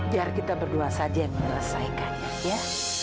biar kita berdua saja yang menyelesaikannya ya